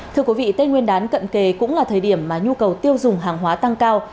thưa quý vị tết nguyên đán cận kề cũng là thời điểm mà nhu cầu tiêu dùng hàng hóa tăng cao